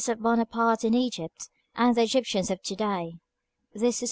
] BONAPARTE IN EGYPT AND THE EGYPTIANS OF TO DAY BY HAJI A.